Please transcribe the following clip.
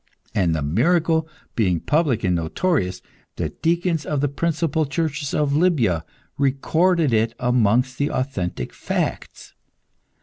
And, the miracle being public and notorious, the deacons of the principal churches of Libya recorded it amongst the authentic facts.